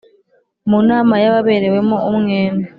Mu nama y ababerewemo umwenda